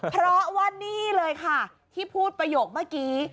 เพราะว่านี่เลยค่ะที่พูดประโยคเมื่อกี้